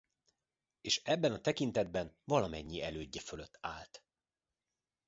És ebben a tekintetben valamennyi elődje fölött állt.